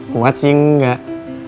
kuat sih enggak